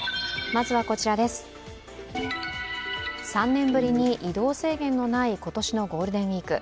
３年ぶりに移動制限のない今年のゴールデンウイーク。